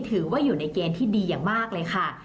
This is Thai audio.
ถือว่าอยู่ในเกณฑ์ที่ดีอย่างมากเลยค่ะ